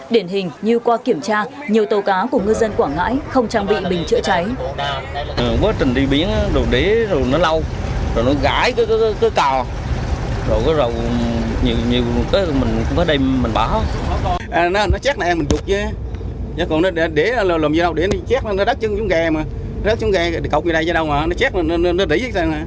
điển hình như qua kiểm tra nhiều tàu cá của ngư dân quảng ngãi không trang bị bình chữa cháy